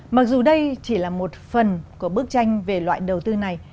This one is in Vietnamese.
mặc dù đây chỉ là một phần của bức tranh về loại đầu tư này